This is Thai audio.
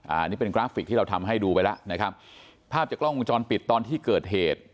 อันนี้เป็นกราฟิกที่เราทำให้ดูไปแล้วนะครับภาพจากกล้องวงจรปิดตอนที่เกิดเหตุ